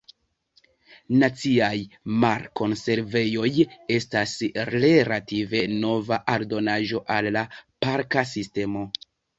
Naciaj Mar-Konservejoj estas relative nova aldonaĵo al la parka sistemo.